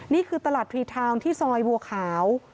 นี่คือตลาดทรีทาวน์ที่ซอยบัวขาว